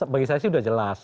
bagi saya sih sudah jelas